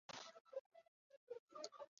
该雕像亦是美国首座李小龙纪念雕像。